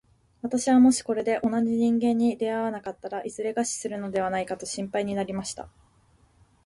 私はもしこれで同じ人間に出会わなかったら、いずれ餓死するのではないかと心配になりました。